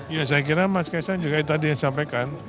ya saya kira mas kaisang juga tadi yang sampaikan